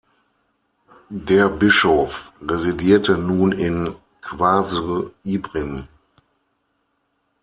Der Bischof residierte nun in Qasr Ibrim.